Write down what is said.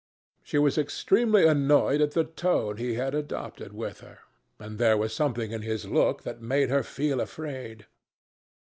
She was extremely annoyed at the tone he had adopted with her, and there was something in his look that had made her feel afraid.